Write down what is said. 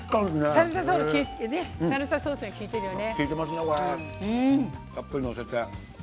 サルサソースがきいてるよね。